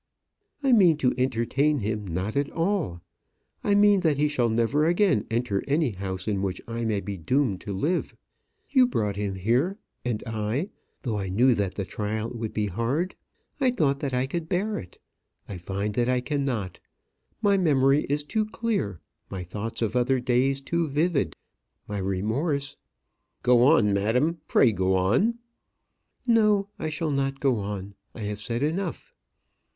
"I mean to entertain him not at all. I mean that he shall never again enter any house in which I may be doomed to live. You brought him here; and I though I knew that the trial would be hard I thought that I could bear it. I find that I cannot. My memory is too clear; my thoughts of other days too vivid; my remorse " "Go on, madam; pray go on." "No, I shall not go on. I have said enough."